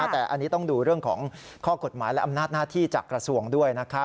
แต่อันนี้ต้องดูเรื่องของข้อกฎหมายและอำนาจหน้าที่จากกระทรวงด้วย